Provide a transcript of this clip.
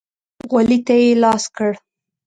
غولي ته يې لاس کړ.